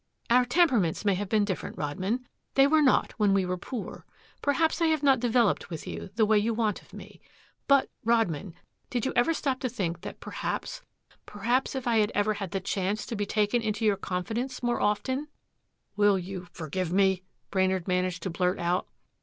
"Our temperaments may have been different, Rodman. They were not when we were poor. Perhaps I have not developed with you, the way you want of me. But, Rodman, did you ever stop to think that perhaps, perhaps if I had ever had the chance to be taken into your confidence more often " "Will you forgive me?" Brainard managed to blurt out.